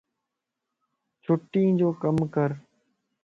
چھڻين جو ڪم ڪر